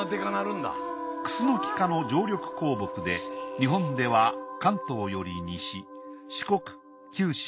クスノキ科の常緑高木で日本では関東より西四国九州